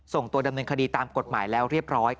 ส่งตัวดำเนินคดีตามกฎหมายแล้วเรียบร้อย